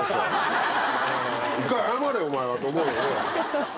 一回謝れお前は！と思うよね。